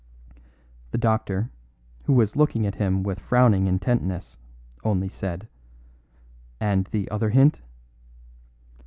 The doctor, who was looking at him with frowning intentness, only said: "And the other hint?"